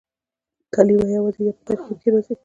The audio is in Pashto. کلیمه یوازي یا په ترکیب کښي راځي.